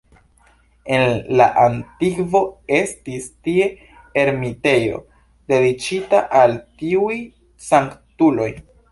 En la antikvo estis tie ermitejo dediĉita al tiuj sanktuloj.